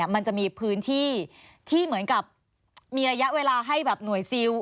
มันจะมีพื้นที่ที่เหมือนกับมีระยะเวลาให้แบบหน่วยซิล